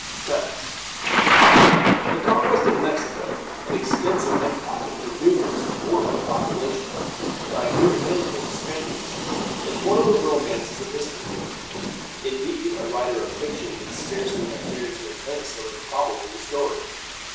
Preface. The conquest of Mexico, an extensive empire with a numerous and warlike population, by a mere handful of Spaniards, is one of the romances of history. Indeed, a writer of fiction would scarcely have dared to invent so improbable a story.